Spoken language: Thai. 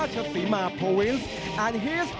จากสิงหะเดชาจิม